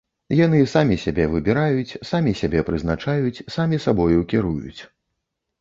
Яны самі сябе выбіраюць, самі сябе прызначаюць, самі сабою кіруюць.